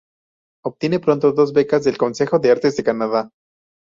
Obtiene pronto dos becas del Consejo de Artes de Canadá.